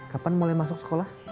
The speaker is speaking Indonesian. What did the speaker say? kapan mulai masuk sekolah